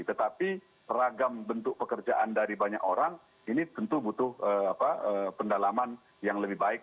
tetapi ragam bentuk pekerjaan dari banyak orang ini tentu butuh pendalaman yang lebih baik